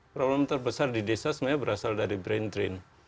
problem terbesar di desa sebenarnya berasal dari brain drain